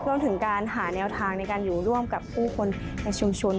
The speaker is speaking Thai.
รวมถึงการหาแนวทางในการอยู่ร่วมกับผู้คนในชุมชน